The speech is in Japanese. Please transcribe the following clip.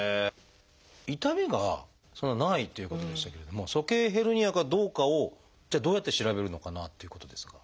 痛みがそんなないっていうことでしたけれども鼠径ヘルニアかどうかをじゃあどうやって調べるのかなっていうことですが。